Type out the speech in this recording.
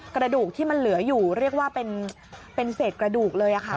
กระดูกที่มันเหลืออยู่เรียกว่าเป็นเศษกระดูกเลยค่ะ